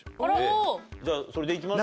じゃあそれでいきます？